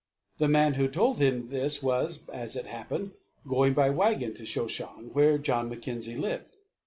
The man who told him this was, as it happened, going by wagon to Shoshong, where John Mackenzie lived.